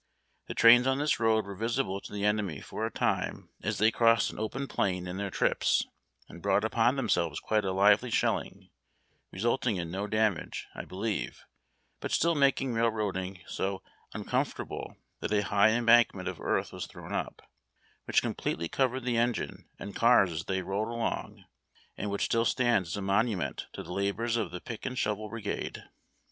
The trains on this road were visible to the enemy for a time as they crossed an open plain in their trips, and brought upon themselves quite a lively shelling, resulting in no damage, I believe, but still making railroading so uncom fortable that a high embankment of earth was thrown up, which completely covered the engine and cars as they rolled along, and which still stands as a monument to the labors of the pick and shovel brigade.